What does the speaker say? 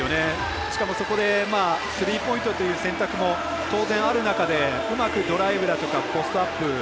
しかも、そこでスリーポイントという選択も当然、ある中でうまくドライブだとかポストアップ